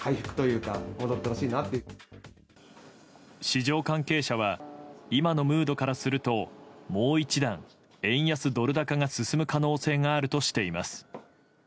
市場関係者は今のムードからするともう一段、円安ドル高が進む可能性があるとしています。